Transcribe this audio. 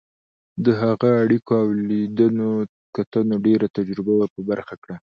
د هغه اړیکو او لیدنو کتنو ډېره تجربه ور په برخه کړه.